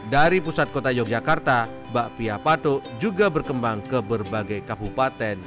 dari pusat kota yogyakarta mbak pia patuk juga berkembang ke berbagai kabupaten